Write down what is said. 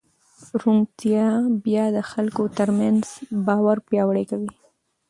روڼتیا بیا د خلکو ترمنځ باور پیاوړی کوي.